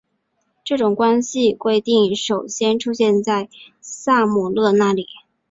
这种关系规定首先出现在塞姆勒那里。